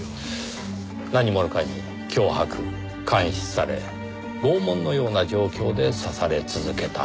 何者かに脅迫監視され拷問のような状況で刺され続けた。